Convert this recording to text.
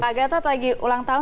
pak gatot lagi ulang tahun